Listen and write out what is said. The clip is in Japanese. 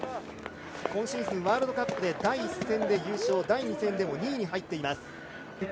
今シーズン、ワールドカップ第１戦で優勝、第２戦でも２位に入っています。